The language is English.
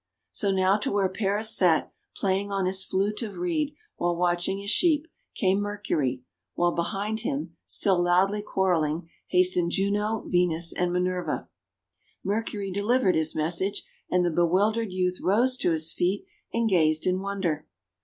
So now to where Paris sat, playing on his flute of reed while watching his sheep, came Mercury; while behind him, still loudly quarrel ling, hastened Juno, Venus, and Minerva. Mercury delivered his message, and the be wildered youth rose to his feet and gazed in wonder.